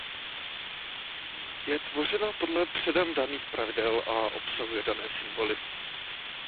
Je tvořena podle předem daných pravidel a obsahuje dané symboly.